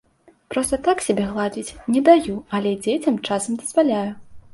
Проста так сябе гладзіць не даю, але дзецям часам дазваляю.